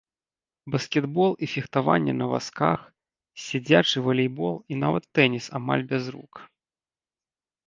Баскетбол і фехтаванне на вазках, сядзячы валейбол і нават тэніс амаль без рук.